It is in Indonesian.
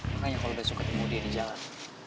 makanya kalau besok ketemu dia di jalan